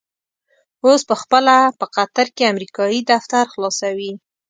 اوس په خپله په قطر کې امريکايي دفتر خلاصوي.